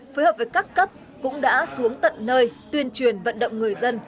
phối hợp với các cấp cũng đã xuống tận nơi tuyên truyền vận động người dân